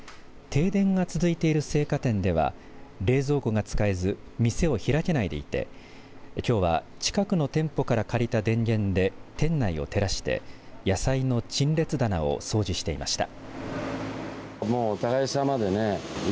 停電が続いている青果店では冷蔵庫が使えず店を開けないでいてきょうは近くの店舗から借りた電源で店内を照らして野菜の陳列棚を掃除していました。